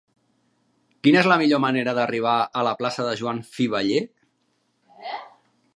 Quina és la millor manera d'arribar a la plaça de Joan Fiveller?